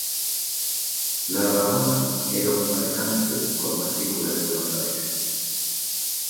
La "Ramona" era un mercante con matrícula de Buenos Aires.